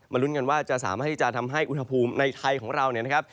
มารุ้นกันว่าจะสามารถที่จะทำให้อุณหภูมิในไทยของเรา